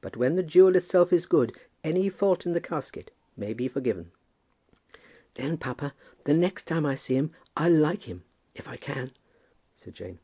But when the jewel itself is good, any fault in the casket may be forgiven." "Then, papa, the next time I see him I'll like him, if I can," said Jane.